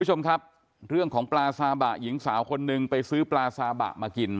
คุณผู้ชมครับเรื่องของปลาซาบะหญิงสาวคนนึงไปซื้อปลาซาบะมากิน